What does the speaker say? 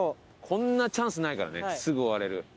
こんなチャンスないからねすぐ終われる。